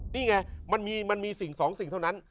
นี่ไงมันมีสิ่งสองสิ่งเท่านั้น